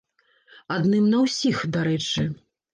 Адным на ўсіх, дарэчы.